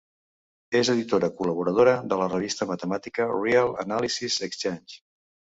És editora col·laboradora de la revista matemàtica "Real Analysis Exchange".